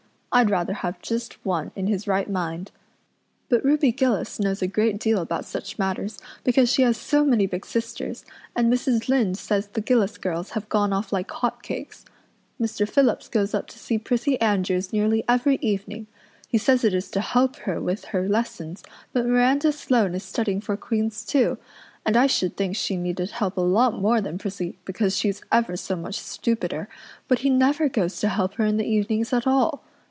I'd rather have just one in his right mind. But Ruby Gillis knows a great deal about such matters because she has so many big sisters, and Mrs. Lynde says the Gillis girls have gone off like hot cakes. Mr. Phillips goes up to see Prissy Andrews nearly every evening. He says it is to help her with her lessons but Miranda Sloane is studying for Queen's too, and I should think she needed help a lot more than Prissy because she's ever so much stupider, but he never goes to help her in the evenings at all.